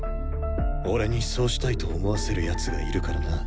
俺にそうしたいと思わせる奴がいるからな。